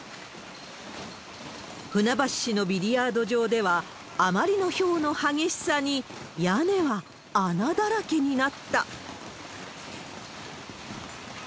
船橋市のビリヤード場では、あまりのひょうの激しさに、屋根は穴だらけになった。